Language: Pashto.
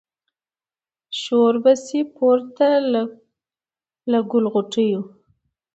شور به سي پورته له ګل غونډیو